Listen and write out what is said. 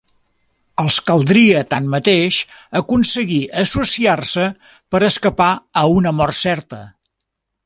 Els caldria tanmateix aconseguir associar-se per escapar a una mort certa.